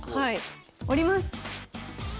下ります。